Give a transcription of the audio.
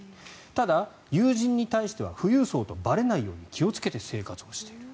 ただ、友人に対しては富裕層とばれないように気をつけて生活をしている。